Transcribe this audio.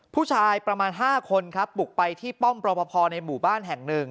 ผู้ชายประมาณ๕คนครับบุกไปที่ป้อมรอปภในหมู่บ้านแห่งหนึ่ง